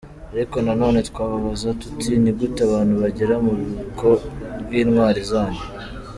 Ariko na none twababaza, … tuti ni gute abantu bagera mu bubiko bw’intwaro zanyu ?”